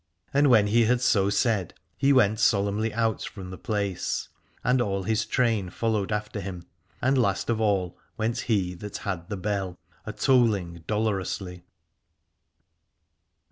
And when he had so said he went solemnly out from the place : and all his train followed after him, and last of all went he that had the bell, a tolling dolorously.